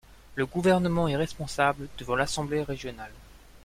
Le gouvernement est responsable devant l'assemblée régionale.